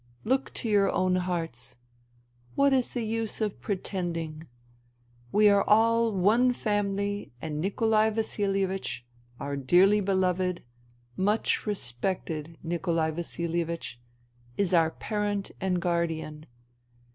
Look into your own hearts. What is the use of pretending ? We are all one family and Nikolai Vasilievich, our dearly beloved, much respected Nikolai Vasilievich, is our parent and guardian.